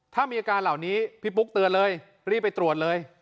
ถ้ามีอาการเหล่านี้พี่ปุ๊กเตือนเลยรีบไปตรวจเลย